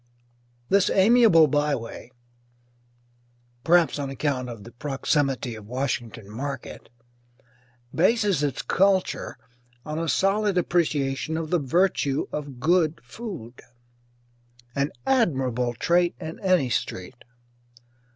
This amiable byway (perhaps on account of the proximity of Washington Market) bases its culture on a solid appreciation of the virtue of good food, an admirable trait in any street.